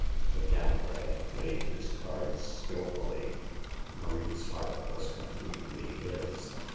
The gambler had played his cards skillfully. Marie's heart was completely his.